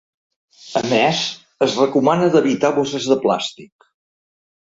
A més, es recomana d’evitar bosses de plàstic.